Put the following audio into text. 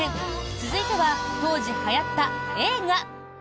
続いては、当時はやった映画。